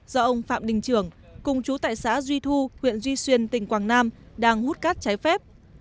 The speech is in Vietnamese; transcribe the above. do ông phạm đình trường cùng chú tại xã duy thu huyện duy xuyên tỉnh quảng nam đang hút cát trái phép